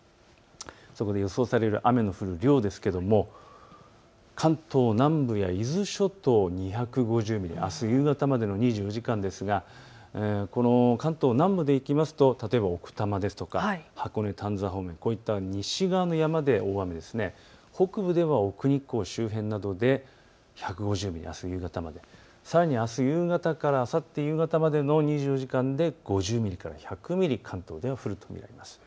そこで予想される雨の降る量ですけれども関東南部や伊豆諸島２５０ミリ、あす夕方までの２４時間ですがこの関東南部でいきますと例えば奥多摩ですとか箱根、丹沢方面、こういった西側の山で大雨、北部では奥日光周辺などで１５０ミリ、さらにあす夕方からあさって夕方までの２４時間で５０ミリから１００ミリ、関東では降ると見られます。